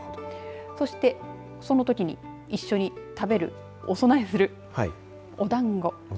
そして、そのときに一緒に食べるお供えするお団子。